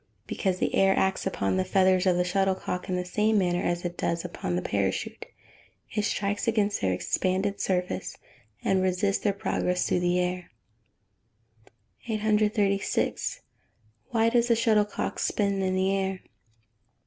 _ Because the air acts upon the feathers of the shuttlecock, in the same manner as it does upon the parachute it strikes against their expanded surface, and resists their progress through the air. 836. _Why does the shuttlecock spin in the air?